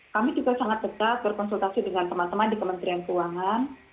kami juga sangat dekat berkonsultasi dengan teman teman di kementerian keuangan